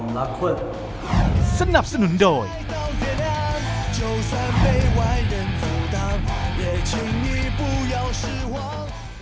สวัสดีครับสวัสดีครับผมนักคุณ